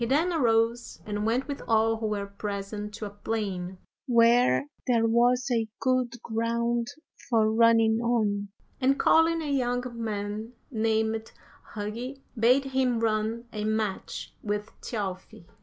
He then arose and went with all who were present to a plain where there was a good ground for running on, and calling a young man named Hugi, bade him run a match with Thjalfi.